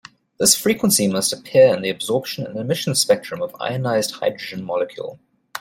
This frequency must appear in the absorption and emission spectrum of ionized hydrogen molecule.